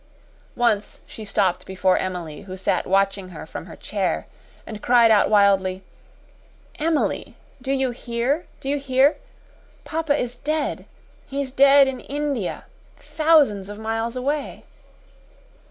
Once she stopped before Emily, who sat watching her from her chair, and cried out wildly, "Emily! Do you hear? Do you hear papa is dead? He is dead in India thousands of miles away."